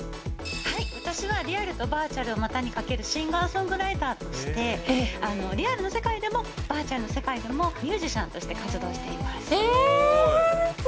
私はリアルとバーチャルを股にかけるシンガーソングライターとして、リアルの世界でもバーチャルの世界でも、ミュージシャンとして活動しています。